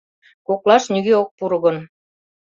Коклаш нигӧ ок пуро гын.